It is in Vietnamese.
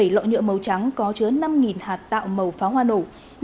bảy lọ nhựa màu trắng có chứa năm hạt tạo màu pháo hoa nổ